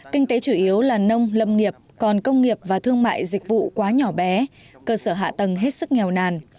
kinh tế chủ yếu là nông lâm nghiệp còn công nghiệp và thương mại dịch vụ quá nhỏ bé cơ sở hạ tầng hết sức nghèo nàn